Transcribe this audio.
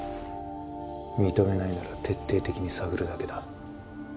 認めないなら徹底的に探るだけだ。